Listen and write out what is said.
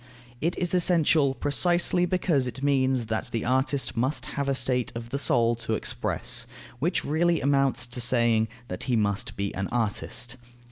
It is essential, precisely because it means that the artist must have a state of the soul to express, which really amounts to saying, that he must be an artist.